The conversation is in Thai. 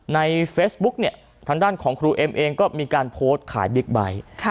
ในเฟซบุ๊กเนี่ยทางด้านของครูเอ็มเองก็มีการโพสต์ขายบิ๊กไบท์